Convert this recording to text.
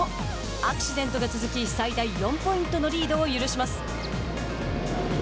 アクシデントが続き最大４ポイントのリードを許します。